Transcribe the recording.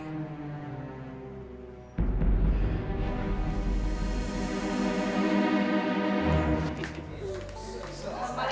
sampai jumpa lagi